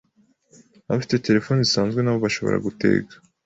Abafite telefone zisanzwe nabo bashobora gutega